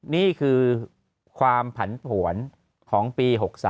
นี่คือความผันผวนของปี๖๓